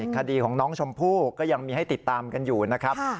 คดีของน้องชมพู่ก็ยังมีให้ติดตามกันอยู่นะครับ